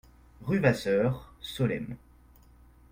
Rue Vasseur, Solesmes